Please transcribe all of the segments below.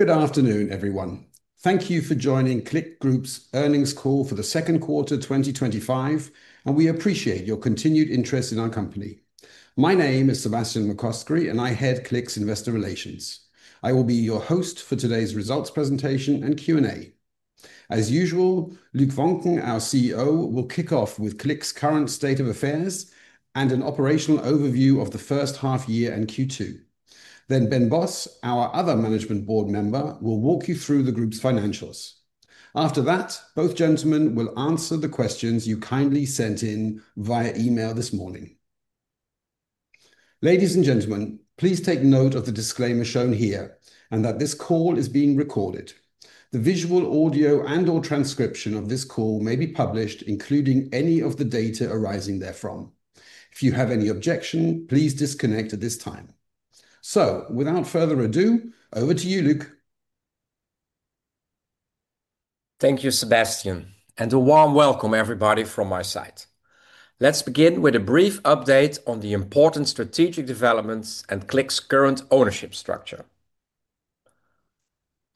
Good afternoon, everyone. Thank you for joining Cliq Group's Earnings Call for the Second Quarter 2025, and we appreciate your continued interest in our company. My name is Sebastian McCoskrie, and I head CLIQ's Investor Relations. I will be your host for today's results presentation and Q&A. As usual, Luc Voncken, our CEO, will kick off with CLIQ's current state of affairs and an operational overview of the first half year and Q2. Ben Bos, our other Management Board member, will walk you through the group's financials. After that, both gentlemen will answer the questions you kindly sent in via email this morning. Ladies and gentlemen, please take note of the disclaimer shown here and that this call is being recorded. The visual, audio, and/or transcription of this call may be published, including any of the data arising therefrom. If you have any objection, please disconnect at this time. Without further ado, over to you, Luc. Thank you, Sebastian, and a warm welcome, everybody, from my side. Let's begin with a brief update on the important strategic developments and CLIQ's current ownership structure.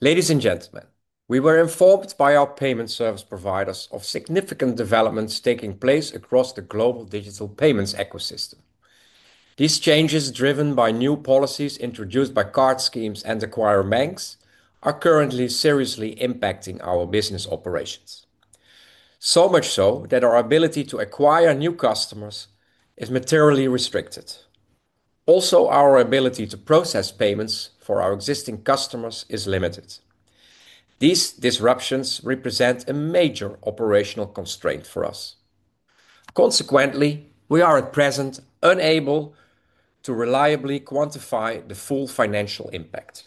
Ladies and gentlemen, we were informed by our payment service providers of significant developments taking place across the global digital payments ecosystem. These changes, driven by new policies introduced by card schemes and acquiring banks, are currently seriously impacting our business operations. Our ability to acquire new customers is materially restricted. Also, our ability to process payments for our existing customers is limited. These disruptions represent a major operational constraint for us. Consequently, we are at present unable to reliably quantify the full financial impact.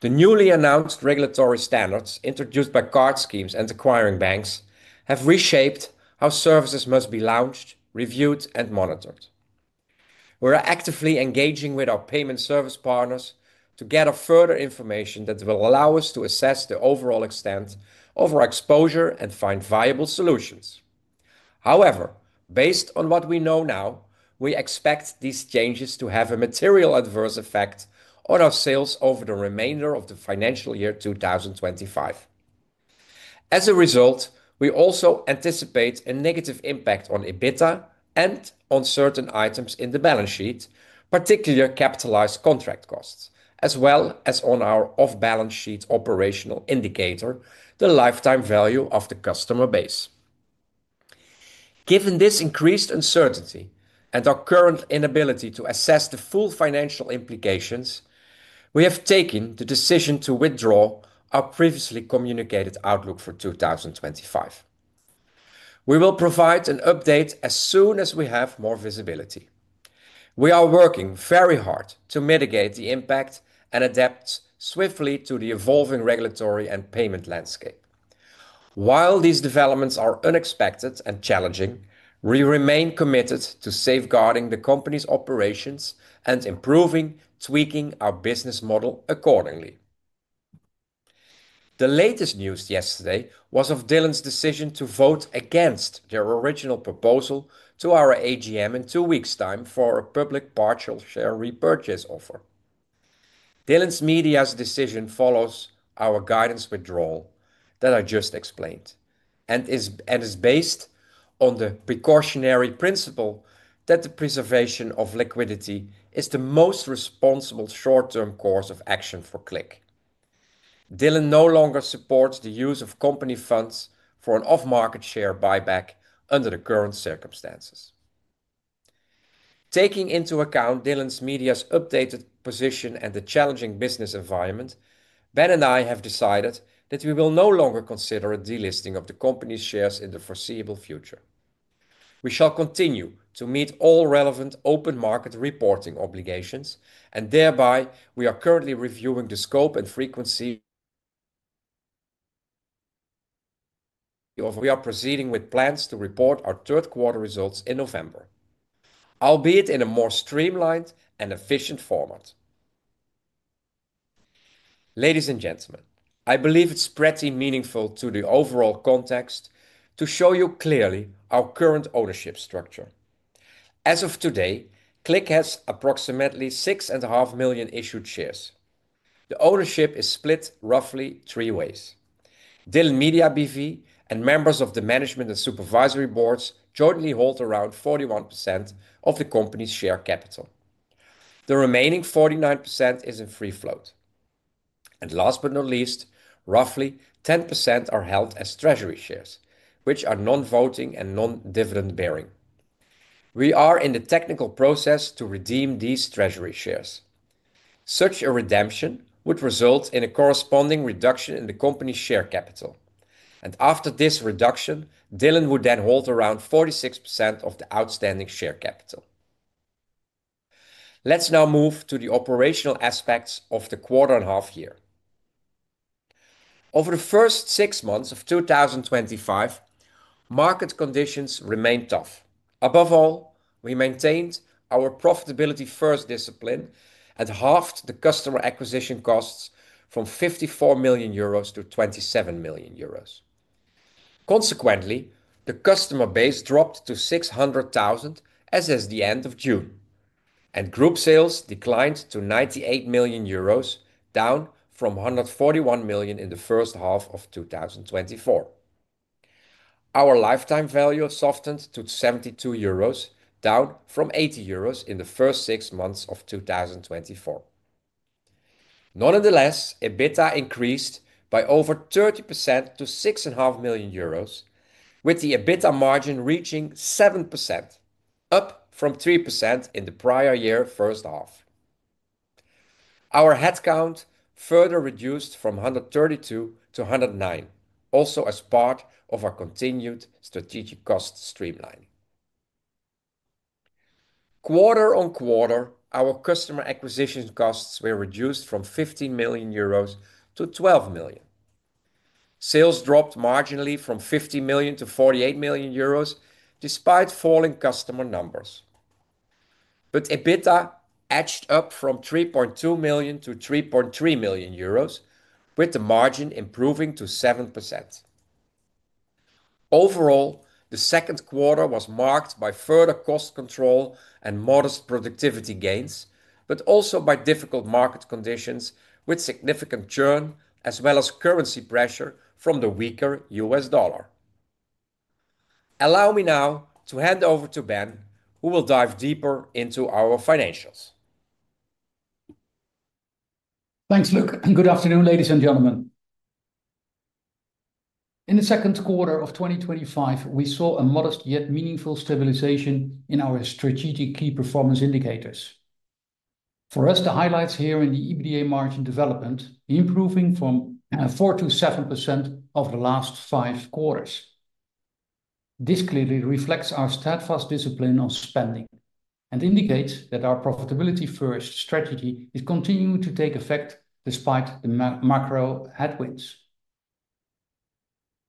The newly announced regulatory standards introduced by card schemes and acquiring banks have reshaped how services must be launched, reviewed, and monitored. We are actively engaging with our payment service partners to gather further information that will allow us to assess the overall extent of our exposure and find viable solutions. However, based on what we know now, we expect these changes to have a material adverse effect on our sales over the remainder of the financial year 2025. As a result, we also anticipate a negative impact on EBITDA and on certain items in the balance sheet, particularly capitalized contract costs, as well as on our off-balance sheet operational indicator, the lifetime value of the customer base. Given this increased uncertainty and our current inability to assess the full financial implications, we have taken the decision to withdraw our previously communicated outlook for 2025. We will provide an update as soon as we have more visibility. We are working very hard to mitigate the impact and adapt swiftly to the evolving regulatory and payment landscape. While these developments are unexpected and challenging, we remain committed to safeguarding the company's operations and improving, tweaking our business model accordingly. The latest news yesterday was of Dylan's decision to vote against their original proposal to our AGM in two weeks' time for a public partial share repurchase offer. Dylan Media's decision follows our guidance withdrawal that I just explained and is based on the precautionary principle that the preservation of liquidity is the most responsible short-term course of action for CLIQ. Dylan no longer supports the use of company funds for an off-market share buyback under the current circumstances. Taking into account Dylan Media's updated position and the challenging business environment, Ben and I have decided that we will no longer consider a delisting of the company's shares in the foreseeable future. We shall continue to meet all relevant open market reporting obligations, and we are currently reviewing the scope and frequency of our proceedings with plans to report our third quarter results in November, albeit in a more streamlined and efficient format. Ladies and gentlemen, I believe it's pretty meaningful to the overall context to show you clearly our current ownership structure. As of today, CLIQ has approximately 6.5 million issued shares. The ownership is split roughly three ways. Dylan Media BV and members of the management and supervisory boards jointly hold around 41% of the company's share capital. The remaining 49% is in free float. Last but not least, roughly 10% are held as treasury shares, which are non-voting and non-dividend bearing. We are in the technical process to redeem these treasury shares. Such a redemption would result in a corresponding reduction in the company's share capital. After this reduction, Dylan would then hold around 46% of the outstanding share capital. Let's now move to the operational aspects of the quarter and a half year. Over the first six months of 2025, market conditions remained tough. Above all, we maintained our profitability-first discipline and halved the customer acquisition costs from 54 million euros to 27 million euros. Consequently, the customer base dropped to 600,000 as of the end of June, and group sales declined to 98 million euros, down from 141 million in the first half of 2024. Our lifetime value softened to 72 euros, down from 80 euros in the first six months of 2024. Nonetheless, EBITDA increased by over 30% to 6.5 million euros, with the EBITDA margin reaching 7%, up from 3% in the prior year's first half. Our headcount further reduced from 132 to 109, also as part of our continued strategic cost streamline. Quarter on quarter, our customer acquisition costs were reduced from 15 million euros to 12 million. Sales dropped marginally from 50 million to 48 million euros, despite falling customer numbers. EBITDA edged up from 3.2 million to 3.3 million euros, with the margin improving to 7%. Overall, the second quarter was marked by further cost control and modest productivity gains, but also by difficult market conditions with significant churn, as well as currency pressure from the weaker U.S. dollar. Allow me now to hand over to Ben, who will dive deeper into our financials. Thanks, Luc, and good afternoon, ladies and gentlemen. In the second quarter of 2025, we saw a modest yet meaningful stabilization in our strategic key performance indicators. For us, the highlights here are the EBITDA margin development, improving from 4% to 7% over the last five quarters. This clearly reflects our steadfast discipline of spending and indicates that our profitability-first strategy is continuing to take effect despite the macro headwinds.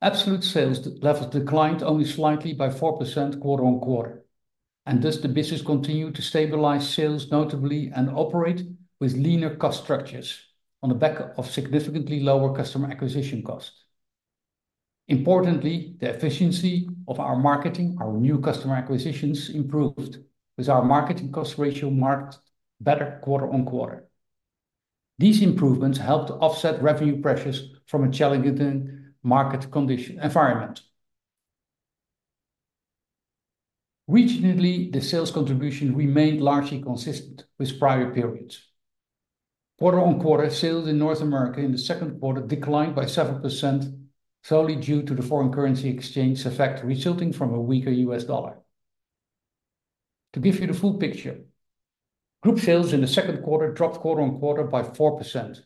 Absolute sales levels declined only slightly by 4% quarter on quarter. Thus, the business continued to stabilize sales notably and operate with leaner cost structures on the back of significantly lower customer acquisition costs. Importantly, the efficiency of our marketing on new customer acquisitions improved, with our marketing cost ratio marked better quarter on quarter. These improvements helped to offset revenue pressures from a challenging market environment. Regionally, the sales contribution remained largely consistent with prior periods. Quarter on quarter, sales in North America in the second quarter declined by 7%, solely due to the foreign currency exchange effect resulting from a weaker U.S. dollar. To give you the full picture, group sales in the second quarter dropped quarter on quarter by 4%.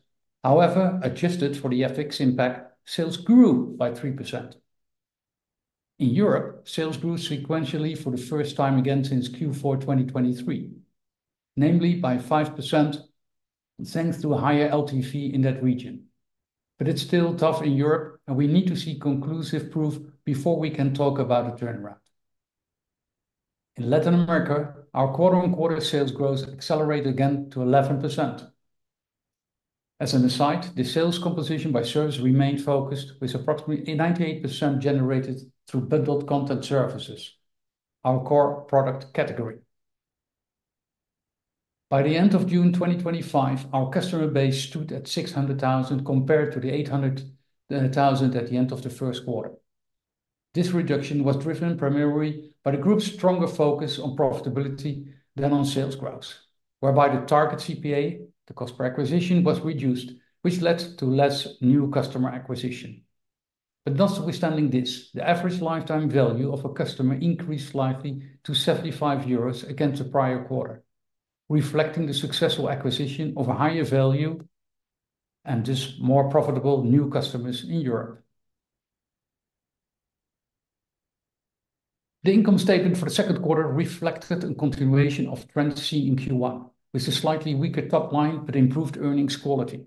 However, adjusted for the FX impact, sales grew by 3%. In Europe, sales grew sequentially for the first time again since Q4 2023, namely by 5% thanks to a higher LTV in that region. It's still tough in Europe, and we need to see conclusive proof before we can talk about a turnaround. In Latin America, our quarter on quarter sales growth accelerated again to 11%. As an aside, the sales composition by service remained focused, with approximately 98% generated through bundled content services, our core product category. By the end of June 2025, our customer base stood at 600,000 compared to the 800,000 at the end of the first quarter. This reduction was driven primarily by the group's stronger focus on profitability than on sales growth, whereby the target CPA, the cost per acquisition, was reduced, which led to less new customer acquisition. Notwithstanding this, the average lifetime value of a customer increased slightly to 75 euros against the prior quarter, reflecting the successful acquisition of a higher value and thus more profitable new customers in Europe. The income statement for the second quarter reflected a continuation of trends seen in Q1, with a slightly weaker top line but improved earnings quality.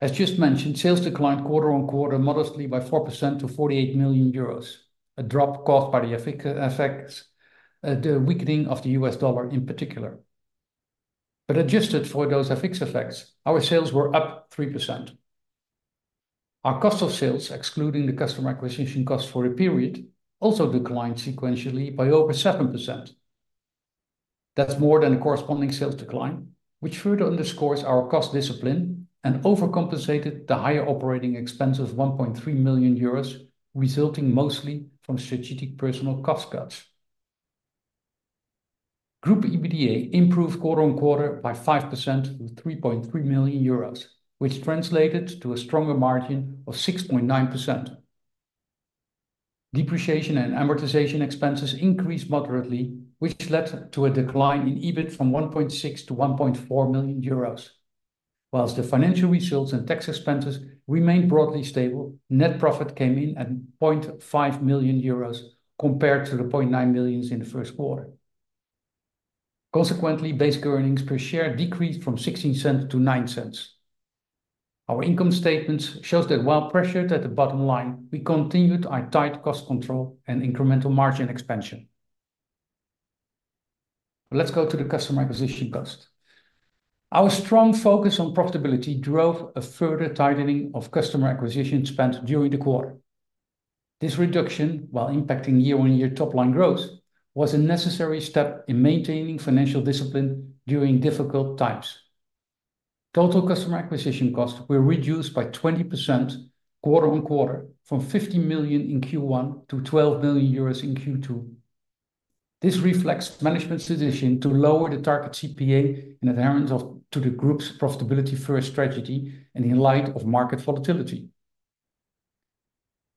As just mentioned, sales declined quarter on quarter modestly by 4% to 48 million euros, a drop caused by the FX effects, the weakening of the U.S. dollar in particular. Adjusted for those FX effects, our sales were up 3%. Our cost of sales, excluding the customer acquisition cost for a period, also declined sequentially by over 7%. That is more than a corresponding sales decline, which further underscores our cost discipline and overcompensated the higher operating expenses of 1.3 million euros, resulting mostly from strategic personnel cost cuts. Group EBITDA improved quarter on quarter by 5% to 3.3 million euros, which translated to a stronger margin of 6.9%. Depreciation and amortization expenses increased moderately, which led to a decline in EBIT from 1.6 million to 1.4 million euros. Whilst the financial results and tax expenses remained broadly stable, net profit came in at 0.5 million euros compared to the 0.9 million in the first quarter. Consequently, base earnings per share decreased from $0.16 to $0.09. Our income statement shows that while pressured at the bottom line, we continued our tight cost control and incremental margin expansion. Let's go to the customer acquisition cost. Our strong focus on profitability drove a further tightening of customer acquisition spend during the quarter. This reduction, while impacting year-on-year top line growth, was a necessary step in maintaining financial discipline during difficult times. Total customer acquisition costs were reduced by 20% quarter on quarter, from 15 million in Q1 to 12 million euros in Q2. This reflects management's decision to lower the target CPA in adherence to the group's profitability-first strategy and in light of market volatility.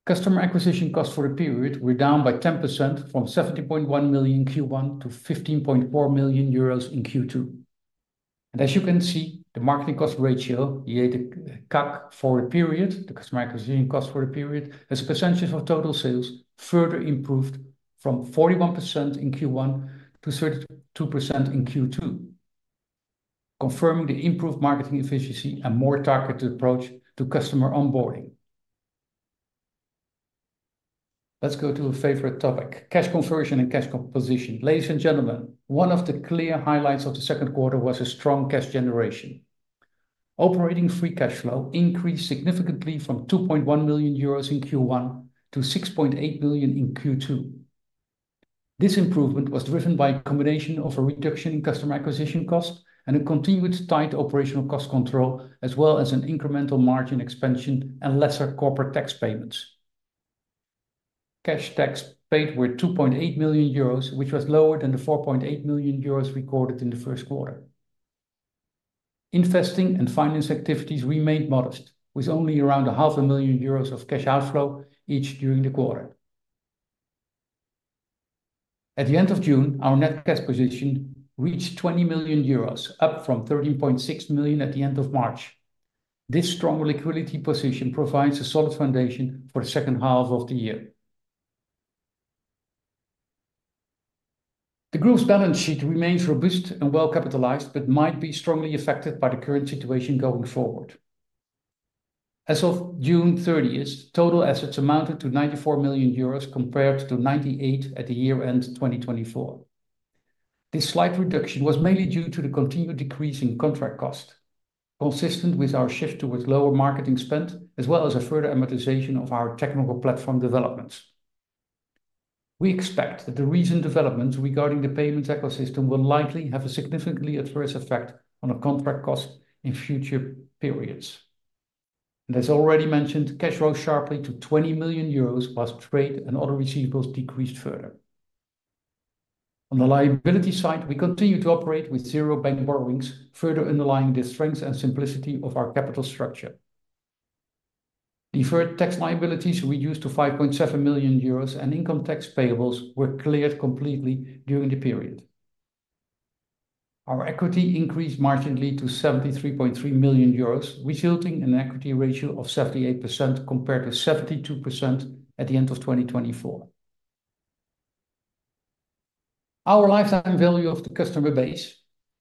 Customer acquisition costs for the period were down by 10% from 17.1 million in Q1 to 15.4 million euros in Q2. As you can see, the marketing cost ratio, EAC for the period, the customer acquisition cost for the period, as a percentage of total sales, further improved from 41% in Q1 to 32% in Q2, confirming the improved marketing efficiency and more targeted approach to customer onboarding. Let's go to a favorite topic: cash conversion and cash composition. Ladies and gentlemen, one of the clear highlights of the second quarter was a strong cash generation. Operating free cash flow increased significantly from 2.1 million euros in Q1 to 6.8 million in Q2. This improvement was driven by a combination of a reduction in customer acquisition costs and continued tight operational cost control, as well as incremental margin expansion and lesser corporate tax payments. Cash tax paid were 2.8 million euros, which was lower than the 4.8 million euros recorded in the first quarter. Investing and finance activities remained modest, with only around half a million euros of cash outflow each during the quarter. At the end of June, our net cash position reached 20 million euros, up from 13.6 million at the end of March. This strong liquidity position provides a solid foundation for the second half of the year. The group's balance sheet remains robust and well-capitalized, but might be strongly affected by the current situation going forward. As of June 30th, total assets amounted to 94 million euros compared to 98 million at year-end 2024. This slight reduction was mainly due to the continued decrease in capitalized contract costs, consistent with our shift towards lower marketing spend, as well as further amortization of our technical platform developments. We expect that the recent developments regarding the payments ecosystem will likely have a significantly adverse effect on the contract costs in future periods. As already mentioned, cash rose sharply to 20 million euros whilst trade and other receivables decreased further. On the liability side, we continue to operate with zero bank borrowings, further underlying the strength and simplicity of our capital structure. Deferred tax liabilities reduced to 5.7 million euros, and income tax payables were cleared completely during the period. Our equity increased marginally to 73.3 million euros, resulting in an equity ratio of 78% compared to 72% at the end of 2024. Our lifetime value of the customer base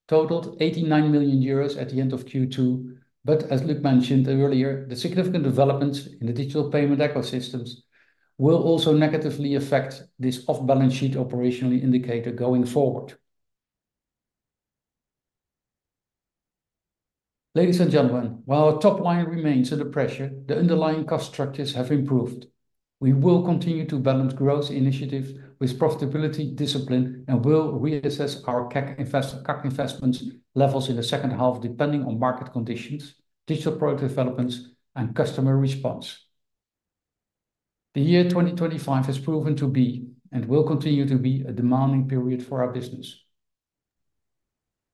totaled 89 million euros at the end of Q2, but as Luc mentioned earlier, the significant developments in the digital payment ecosystem will also negatively affect this off-balance sheet operational indicator going forward. Ladies and gentlemen, while our top line remains under pressure, the underlying cost structures have improved. We will continue to balance growth initiatives with profitability discipline and will reassess our customer acquisition costs investment levels in the second half, depending on market conditions, digital product developments, and customer response. The year 2025 has proven to be, and will continue to be, a demanding period for our business.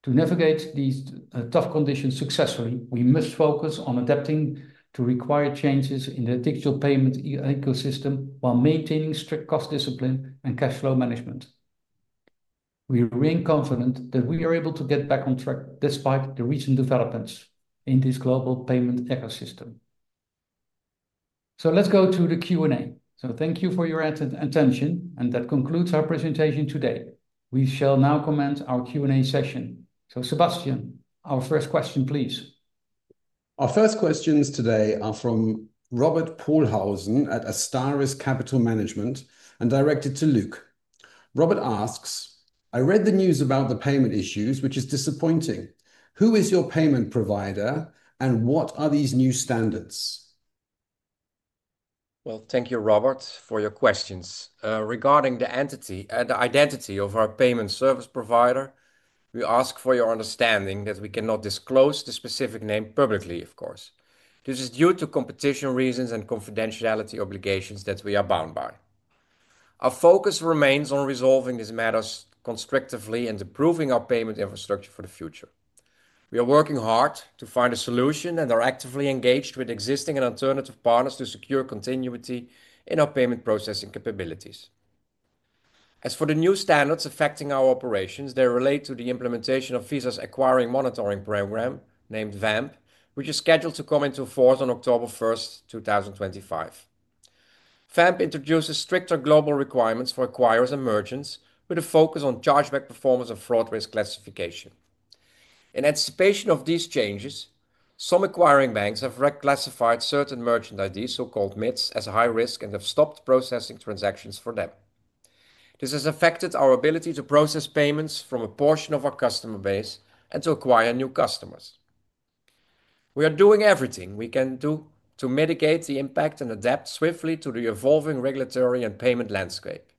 To navigate these tough conditions successfully, we must focus on adapting to required changes in the digital payment ecosystem while maintaining strict cost discipline and cash flow management. We remain confident that we are able to get back on track despite the recent developments in this global payment ecosystem. Thank you for your attention, and that concludes our presentation today. We shall now commence our Q&A session. Sebastian, our first question, please. Our first questions today are from Robert Pohlausen at Astaris Capital Management and directed to Luc. Robert asks, "I read the news about the payment issues, which is disappointing. Who is your payment provider and what are these new standards?" Thank you, Robert, for your questions. Regarding the entity and the identity of our payment service provider, we ask for your understanding that we cannot disclose the specific name publicly, of course. This is due to competition reasons and confidentiality obligations that we are bound by. Our focus remains on resolving these matters constructively and improving our payment infrastructure for the future. We are working hard to find a solution and are actively engaged with existing and alternative partners to secure continuity in our payment processing capabilities. As for the new standards affecting our operations, they relate to the implementation of Visa Acquirer Monitoring Program (VAMP), which is scheduled to come into force on October 1st, 2025. VAMP introduces stricter global requirements for acquirers and merchants, with a focus on chargeback performance and fraud risk classification. In anticipation of these changes, some acquiring banks have reclassified certain merchant IDs, so-called MIDs, as high risk and have stopped processing transactions for them. This has affected our ability to process payments from a portion of our customer base and to acquire new customers. We are doing everything we can to mitigate the impact and adapt swiftly to the evolving regulatory and payment landscape.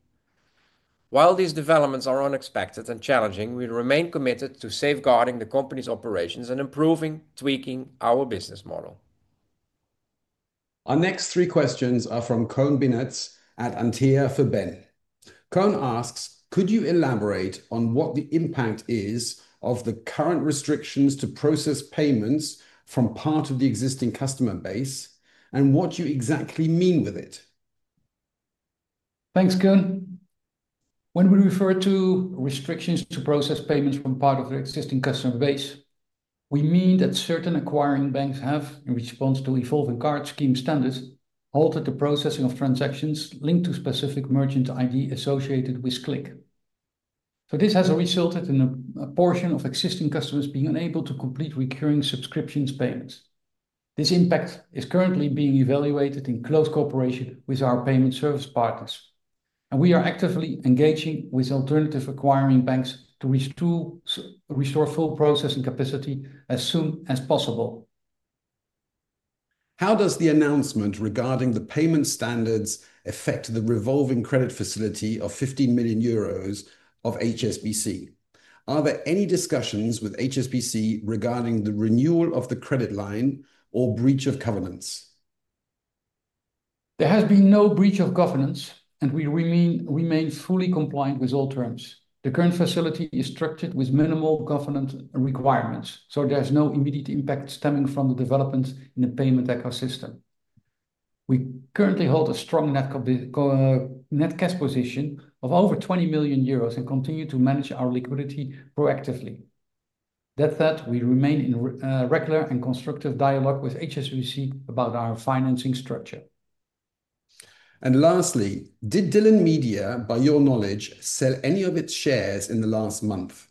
While these developments are unexpected and challenging, we remain committed to safeguarding the company's operations and improving, tweaking our business model. Our next three questions are from Coen Binnerts at Antea for Ben. Coen asks, "Could you elaborate on what the impact is of the current restrictions to process payments from part of the existing customer base and what you exactly mean with it? Thanks, Coen. When we refer to restrictions to process payments from part of the existing customer base, we mean that certain acquiring banks have, in response to evolving card scheme standards, altered the processing of transactions linked to specific merchant IDs associated with CLIQ. This has resulted in a portion of existing customers being unable to complete recurring subscription payments. This impact is currently being evaluated in close cooperation with our payment service partners. We are actively engaging with alternative acquiring banks to restore full processing capacity as soon as possible. How does the announcement regarding the payment standards affect the revolving credit facility of 15 million euros of HSBC? Are there any discussions with HSBC regarding the renewal of the credit line or breach of covenants? There has been no breach of covenants, and we remain fully compliant with all terms. The current facility is structured with minimal covenant requirements, so there's no immediate impact stemming from the developments in the payment ecosystem. We currently hold a strong net cash position of over 20 million euros and continue to manage our liquidity proactively. That said, we remain in regular and constructive dialogue with HSBC about our financing structure. Lastly, did Dylan Media, by your knowledge, sell any of its shares in the last month?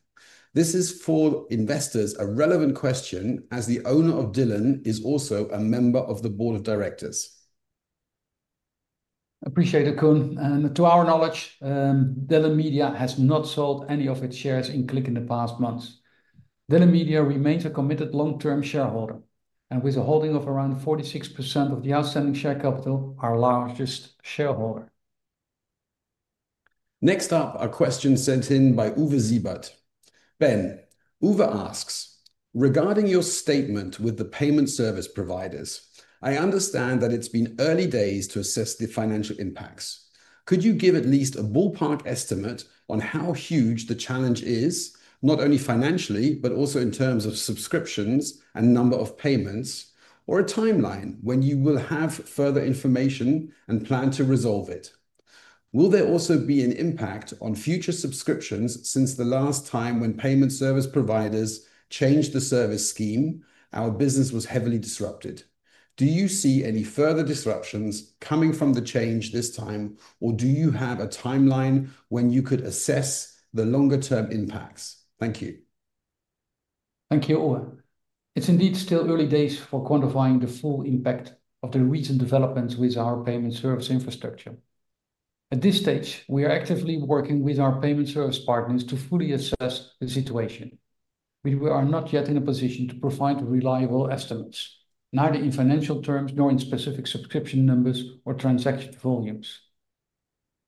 This is for investors a relevant question as the owner of Dylan is also a member of the Board of Directors. Appreciated, Coen. To our knowledge, Dylan Media has not sold any of its shares in CLIQ in the past month. Dylan Media remains a committed long-term shareholder, and with a holding of around 46% of the outstanding share capital, our largest shareholder. Next up, a question sent in by Uwe Siebert. Ben, Uwe asks, "Regarding your statement with the payment service providers, I understand that it's been early days to assess the financial impacts. Could you give at least a ballpark estimate on how huge the challenge is, not only financially, but also in terms of subscriptions and number of payments, or a timeline when you will have further information and plan to resolve it? Will there also be an impact on future subscriptions since the last time when payment service providers changed the service scheme, our business was heavily disrupted? Do you see any further disruptions coming from the change this time, or do you have a timeline when you could assess the longer-term impacts? Thank you. Thank you, Uwe. It's indeed still early days for quantifying the full impact of the recent developments with our payment service infrastructure. At this stage, we are actively working with our payment service partners to fully assess the situation. We are not yet in a position to provide reliable estimates, neither in financial terms nor in specific subscription numbers or transaction volumes.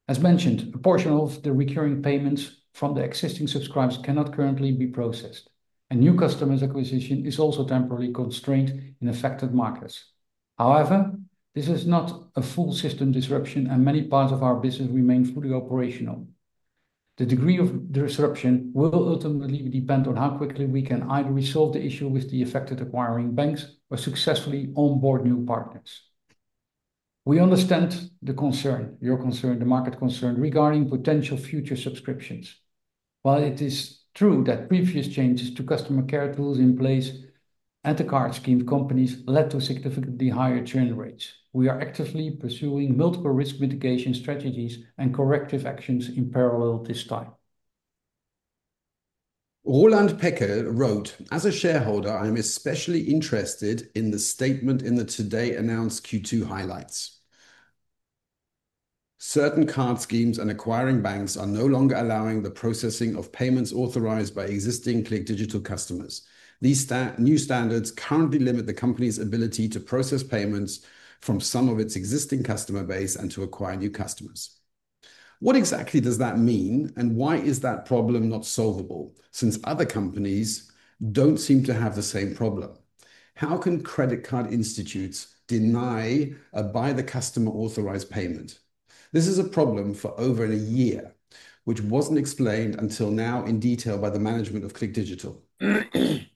As mentioned, a portion of the recurring payments from the existing subscribers cannot currently be processed, and new customers' acquisition is also temporarily constrained in affected markets. However, this is not a full system disruption, and many parts of our business remain fully operational. The degree of disruption will ultimately depend on how quickly we can either resolve the issue with the affected acquiring banks or successfully onboard new partners. We understand the concern, your concern, the market concern regarding potential future subscriptions. While it is true that previous changes to customer care tools in place at the card scheme companies led to significantly higher churn rates, we are actively pursuing multiple risk mitigation strategies and corrective actions in parallel this time. Roland Pecker wrote, "As a shareholder, I am especially interested in the statement in the today announced Q2 highlights. Certain card schemes and acquiring banks are no longer allowing the processing of payments authorized by existing CLIQ Digital customers. These new standards currently limit the company's ability to process payments from some of its existing customer base and to acquire new customers." What exactly does that mean, and why is that problem not solvable, since other companies don't seem to have the same problem? How can credit card institutes deny a buy-the-customer authorized payment? This is a problem for over a year, which wasn't explained until now in detail by the management of CLIQ Digital.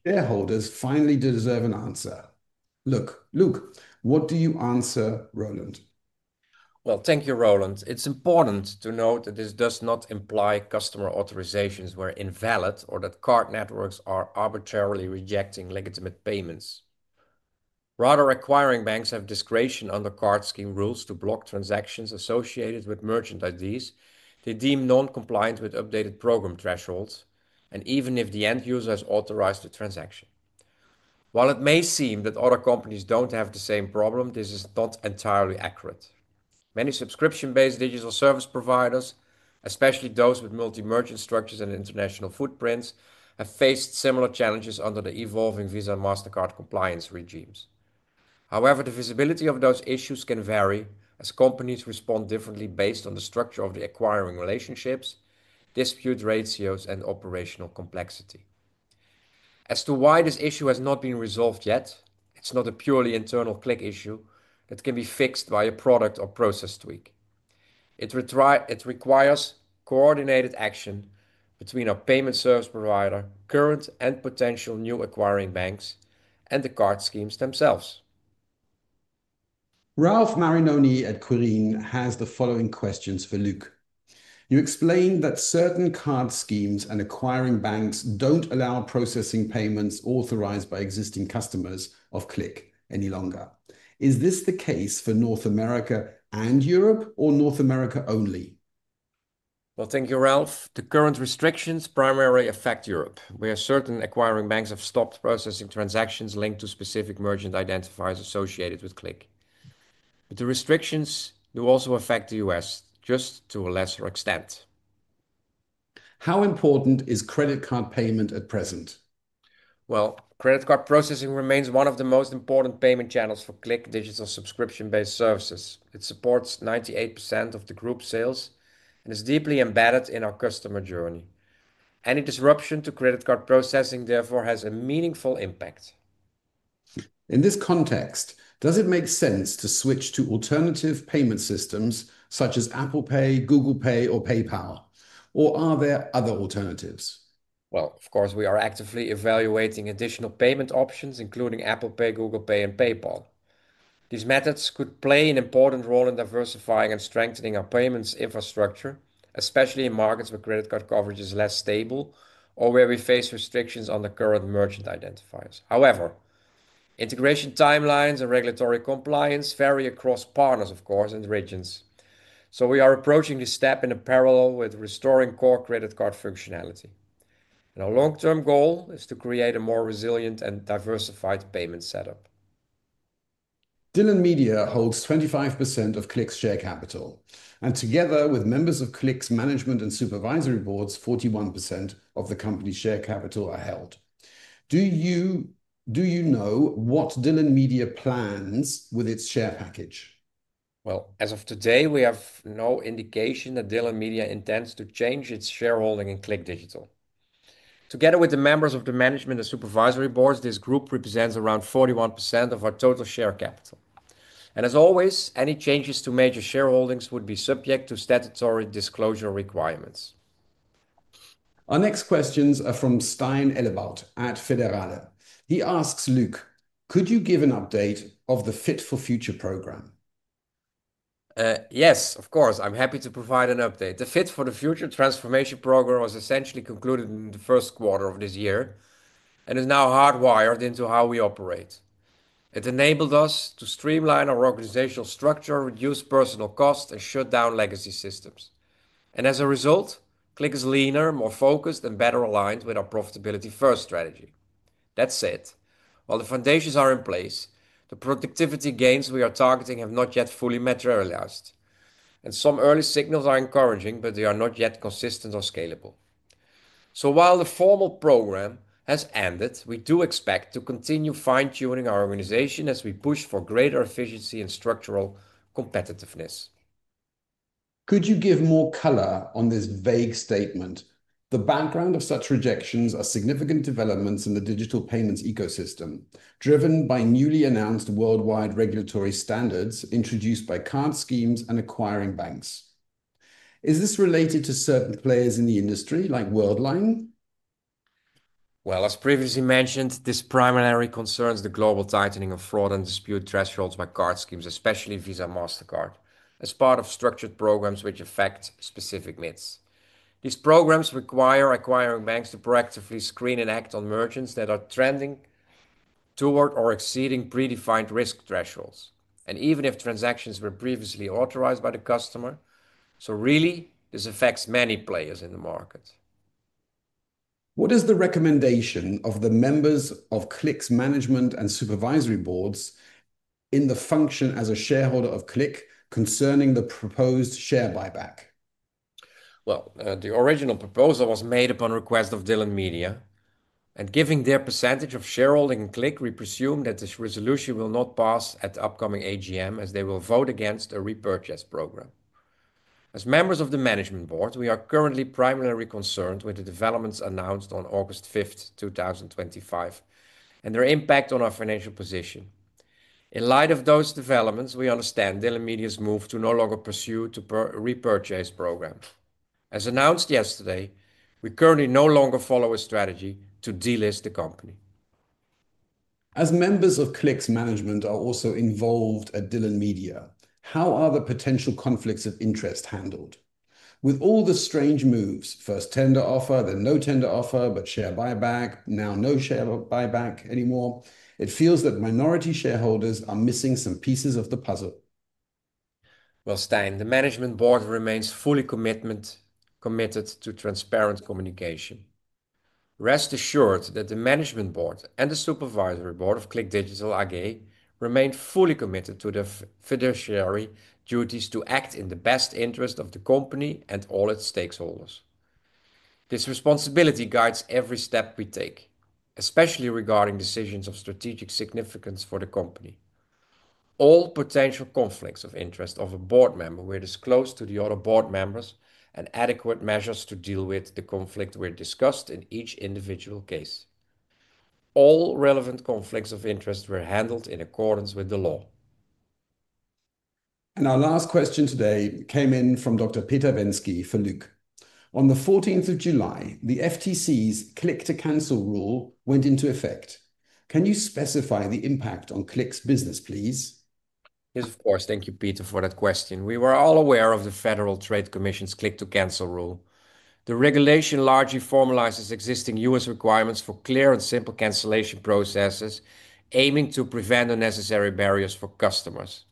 Shareholders finally deserve an answer. Luc, what do you answer, Roland? Thank you, Roland. It's important to note that this does not imply customer authorizations were invalid or that card networks are arbitrarily rejecting legitimate payments. Rather, acquiring banks have discretion under card scheme rules to block transactions associated with merchant IDs they deem non-compliant with updated program thresholds, even if the end user has authorized the transaction. While it may seem that other companies don't have the same problem, this is not entirely accurate. Many subscription-based digital service providers, especially those with multi-merchant structures and international footprints, have faced similar challenges under the evolving Visa and Mastercard compliance regimes. However, the visibility of those issues can vary as companies respond differently based on the structure of the acquiring relationships, dispute ratios, and operational complexity. As to why this issue has not been resolved yet, it's not a purely internal CLIQ issue that can be fixed by a product or process tweak. It requires coordinated action between our payment service provider, current and potential new acquiring banks, and the card schemes themselves. Ralf Marinoni at Quirin has the following questions for Luc. You explained that certain card schemes and acquiring banks don't allow processing payments authorized by existing customers of CLIQ any longer. Is this the case for North America and Europe, or North America only? Thank you, Ralf. The current restrictions primarily affect Europe, where certain acquiring banks have stopped processing transactions linked to specific merchant identifiers associated with CLIQ. The restrictions do also affect the U.S., just to a lesser extent. How important is credit card payment at present? Credit card processing remains one of the most important payment channels for CLIQ Digital subscription-based services. It supports 98% of the group sales and is deeply embedded in our customer journey. Any disruption to credit card processing, therefore, has a meaningful impact. In this context, does it make sense to switch to alternative payment systems such as Apple Pay, Google Pay, or PayPal, or are there other alternatives? Of course, we are actively evaluating additional payment options, including Apple Pay, Google Pay, and PayPal. These methods could play an important role in diversifying and strengthening our payments infrastructure, especially in markets where credit card coverage is less stable or where we face restrictions on the current merchant identifiers. However, integration timelines and regulatory compliance vary across partners and regions. We are approaching this step in parallel with restoring core credit card functionality. Our long-term goal is to create a more resilient and diversified payment setup. Dylan Media holds 25% of CLIQ's share capital, and together with members of CLIQ's management and supervisory boards, 41% of the company's share capital are held. Do you know what Dylan Media plans with its share package? As of today, we have no indication that Dylan Media intends to change its shareholding in CLIQ Digital. Together with the members of the Management and Supervisory Boards, this group represents around 41% of our total share capital. As always, any changes to major shareholdings would be subject to statutory disclosure requirements. Our next questions are from Stijn Elebaut at Fédérale. He asks, "Luc, could you give an update of the Fit for Future program? Yes, of course. I'm happy to provide an update. The Fit for the Future transformation program was essentially concluded in the first quarter of this year and is now hardwired into how we operate. It enabled us to streamline our organizational structure, reduce personnel costs, and shut down legacy systems. As a result, CLIQ is leaner, more focused, and better aligned with our profitability-first strategy. That said, while the foundations are in place, the productivity gains we are targeting have not yet fully materialized. Some early signals are encouraging, but they are not yet consistent or scalable. While the formal program has ended, we do expect to continue fine-tuning our organization as we push for greater efficiency and structural competitiveness. Could you give more color on this vague statement? The background of such rejections are significant developments in the digital payments ecosystem, driven by newly announced worldwide regulatory standards introduced by card schemes and acquiring banks. Is this related to certain players in the industry, like Worldline? As previously mentioned, this primarily concerns the global tightening of fraud and dispute thresholds by card schemes, especially Visa and Mastercard, as part of structured programs which affect specific MIDs. These programs require acquiring banks to proactively screen and act on merchants that are trending toward or exceeding predefined risk thresholds, even if transactions were previously authorized by the customer. This affects many players in the market. What is the recommendation of the members of CLIQ's Management and Supervisory Boards in the function as a shareholder of CLIQ concerning the proposed share buyback? The original proposal was made upon request of Dylan Media. Given their percentage of shareholding in CLIQ, we presume that this resolution will not pass at the upcoming AGM, as they will vote against a repurchase program. As members of the Management Board, we are currently primarily concerned with the developments announced on August 5th, 2025, and their impact on our financial position. In light of those developments, we understand Dylan Media's move to no longer pursue a repurchase program. As announced yesterday, we currently no longer follow a strategy to delist the company. As members of CLIQ's management are also involved at Dylan Media, how are the potential conflicts of interest handled? With all the strange moves, first tender offer, then no tender offer, but share buyback, now no share buyback anymore, it feels that minority shareholders are missing some pieces of the puzzle. The management board remains fully committed to transparent communication. Rest assured that the Management Board and the Supervisory Board of CLIQ Digital AG remain fully committed to their fiduciary duties to act in the best interest of the company and all its stakeholders. This responsibility guides every step we take, especially regarding decisions of strategic significance for the company. All potential conflicts of interest of a board member were disclosed to the other board members, and adequate measures to deal with the conflict were discussed in each individual case. All relevant conflicts of interest were handled in accordance with the law. Our last question today came in from Dr. Peter Venske for Luc. On the 14th of July, the FTC's CLIQ to cancel rule went into effect. Can you specify the impact on CLIQ's business, please? Yes, of course. Thank you, Peter, for that question. We were all aware of the Federal Trade Commission's CLIQ to cancel rule. The regulation largely formalizes existing U.S. requirements for clear and simple cancellation processes, aiming to prevent unnecessary barriers for customers,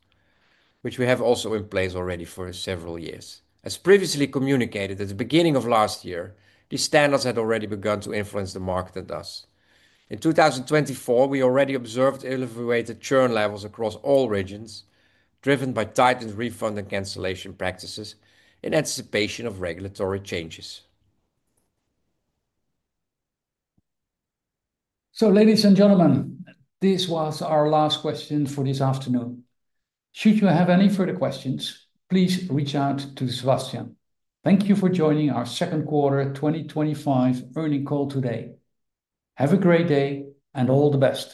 which we have also in place already for several years. As previously communicated at the beginning of last year, these standards had already begun to influence the market and us. In 2024, we already observed elevated churn levels across all regions, driven by tightened refund and cancellation practices in anticipation of regulatory changes. Ladies and gentlemen, this was our last question for this afternoon. Should you have any further questions, please reach out to Sebastian. Thank you for joining our second quarter 2025 earnings call today. Have a great day and all the best.